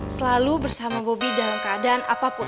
selalu bersama bobby dalam keadaan apapun